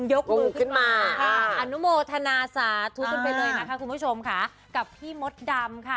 ยกมือขึ้นมาอนุโมทนาสาธุกันไปเลยนะคะคุณผู้ชมค่ะกับพี่มดดำค่ะ